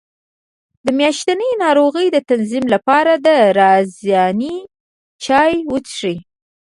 د میاشتنۍ ناروغۍ د تنظیم لپاره د رازیانې چای وڅښئ